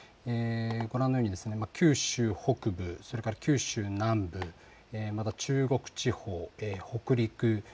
ご覧のように九州北部、それから九州南部、また中国地方、北陸